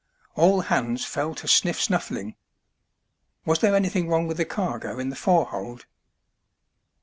All hands fell to sniflf snuffliog. Was there anything wrong with the cargo in the forehold